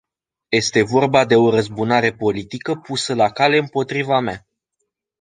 Este vorba de o răzbunare politică pusă la cale împotriva mea.